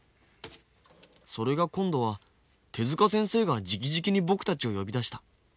それが今度は手先生がじきじきに僕たちを呼び出した。